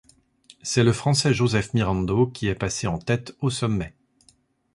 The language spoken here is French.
C'est le Français Joseph Mirando qui est passé en tête au sommet.